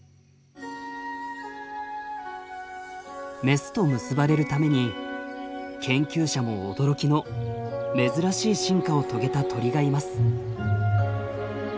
メスと結ばれるために研究者も驚きの珍しい進化を遂げた鳥がいます。